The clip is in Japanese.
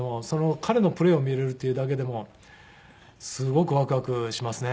彼のプレーを見れるっていうだけでもすごくワクワクしますね。